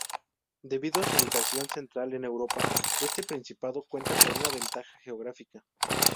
Debido a su ubicación central en Europa, este principado cuenta con una ventaja geográfica.